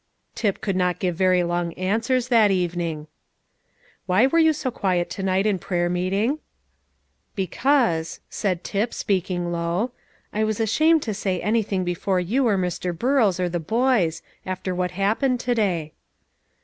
Tip could not give very long answers that evening. "Why were you so quiet to night in prayer meeting?" "Because," said Tip, speaking low, "I was ashamed to say anything before you or Mr. Burrows or the boys, after what happened today."